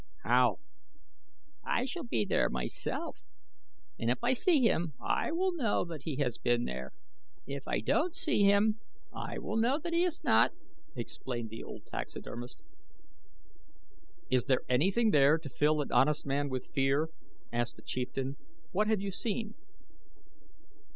"How?" "I shall be there myself and if I see him I will know that he has been there. If I don't see him I will know that he has not," explained the old taxidermist. "Is there anything there to fill an honest man with fear?" asked a chieftain. "What have you seen?"